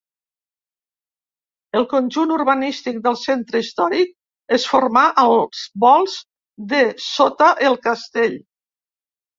El conjunt urbanístic del centre històric es formà als volts de sota el castell.